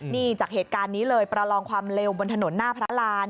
นี่จากเหตุการณ์นี้เลยประลองความเร็วบนถนนหน้าพระราน